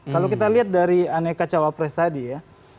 kalau kita lihat dari aneka cawapres tadi ya